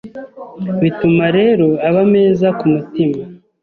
Bituma rero aba meza ku mutima